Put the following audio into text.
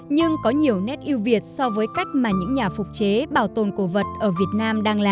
nhưng có nhiều nét yêu việt so với cách mà những nhà phục chế bảo tồn cổ vật ở việt nam đang là